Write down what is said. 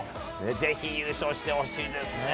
ぜひ優勝してほしいですね。